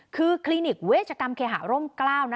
คือคลินิกเวชกรรมเคหาร่มกล้าว